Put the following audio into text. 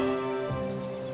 mereka berdua mulai mengobrol